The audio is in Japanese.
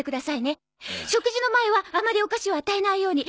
食事の前はあまりお菓子を与えないように。